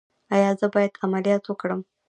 ایا زه باید عملیات وکړم؟